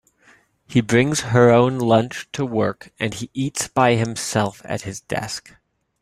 He brings her own lunch to work, and eats by himself at his desk.